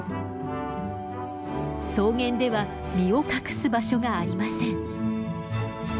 草原では身を隠す場所がありません。